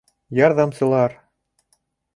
Ярҙамсылар